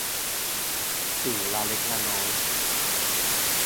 สิ่งละเล็กละน้อย